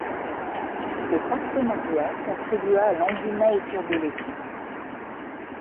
Ce partenariat contribua à l'engouement autour de l'équipe.